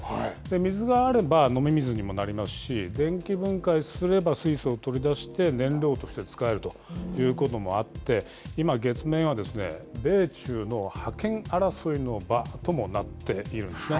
水があれば、飲み水にもなりますし、電気分解すれば水素を取り出して、燃料として使えるということもあって、今、月面は米中の覇権争いの場ともなっているんですね。